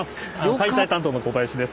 解体担当の小林です。